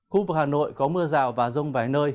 khu vực hà nội có mưa rào và rông vài nơi